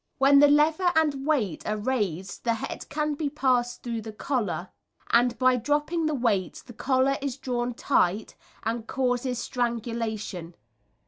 When the lever and weight are raised the head can be passed through the collar, and by dropping the weight the collar is drawn tight and causes strangulation.